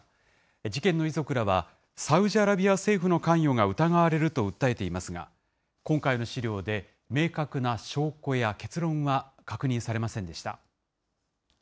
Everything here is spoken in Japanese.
事件の遺族らは、サウジアラビア政府の関与が疑われると訴えていますが、今回の資料で明確な証拠や結論は確認されませんでした。